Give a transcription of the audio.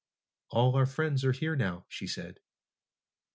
"All our friends are here now," she said.